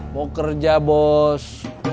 mau kerja bos